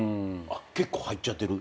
結構入っちゃってる？